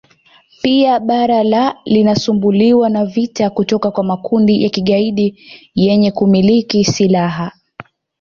Pia bara la linasumbuliwa na vita kutoka kwa makundi ya kigaidi yenye kumiliki silaha